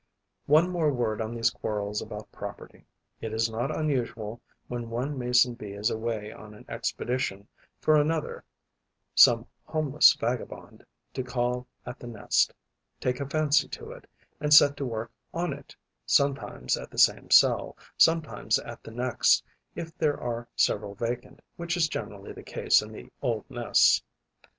One more word on these quarrels about property. It is not unusual, when one Mason bee is away on an expedition, for another, some homeless vagabond, to call at the nest, take a fancy to it and set to work on it, sometimes at the same cell, sometimes at the next, if there are several vacant, which is generally the case in the old nests.